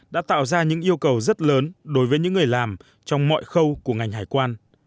đã tạo ra những yêu cầu rất lớn đối với những người làm trong mọi khâu của ngành hải quan